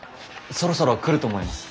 そろそろ来ると思います。